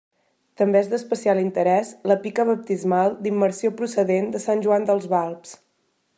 També és d'especial interès la pica baptismal d'immersió procedent de Sant Joan dels Balbs.